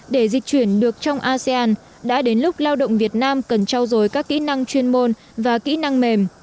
để dịch chuyển được trong asean đã đến lúc lao động việt nam cần trao dồi các kỹ năng chuyên môn và kỹ năng mềm